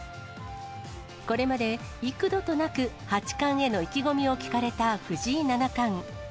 これまで幾度となく、八冠への意気込みを聞かれた藤井七冠。